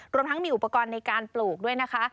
รวมทั้งมีอุปกรณ์ในการปลูกด้วยนะคะ